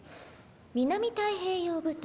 南太平洋部隊？